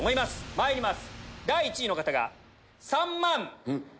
まいります